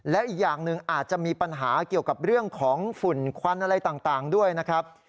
และอีกอย่างหนึ่งอาจจะมีปัญหาเกี่ยวกับเรื่องของฝุ่นควันอะไรต่างด้วยนะครับ